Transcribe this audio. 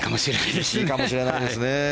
厳しいかもしれないですね。